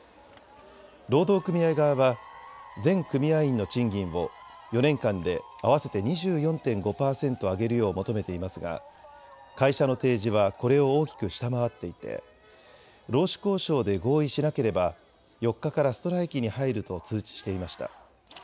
労働組合側は全組合員の賃金を４年間で合わせて２４．５％上げるよう求めていますが会社の提示はこれを大きく下回っていて労使交渉で合意しなければ４日からストライキに入ると通知していました。